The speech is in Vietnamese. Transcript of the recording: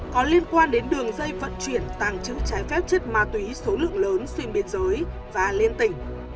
có liên quan đến đường dây vận chuyển tàng trữ trái phép chất ma túy số lượng lớn xuyên biên giới và liên tỉnh